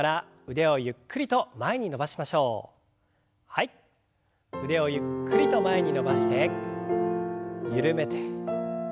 腕をゆっくりと前に伸ばして緩めて。